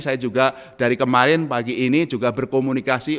saya juga dari kemarin pagi ini juga berkomunikasi